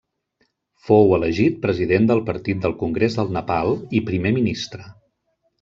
Fou elegit President del Partit del Congrés del Nepal, i Primer Ministre.